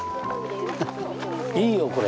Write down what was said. いいよこれ。